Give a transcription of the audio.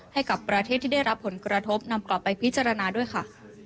ให้กับประเทศที่ได้รับผลกระทบนำกลับไปพิจารณาด้วยค่ะ